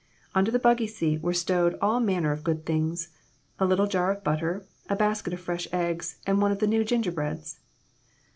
Under the buggy seat were stowed all manner of good things a little jar of butter, a basket of fresh eggs and one of the new gingerbreads.